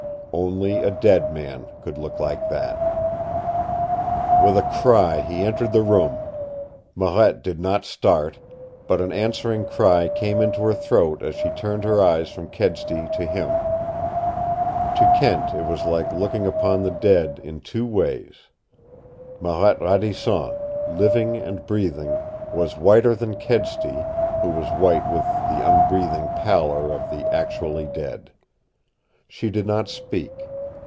Only a dead man could look like that. With a cry he entered the room. Marette did not start, but an answering cry came into her throat as she turned her eyes from Kedsty to him. To Kent it was like looking upon the dead in two ways. Marette Radisson, living and breathing, was whiter than Kedsty, who was white with the unbreathing pallor of the actually dead. She did not speak.